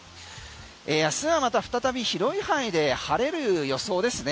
明日はまた再び広い範囲で晴れる予想ですね。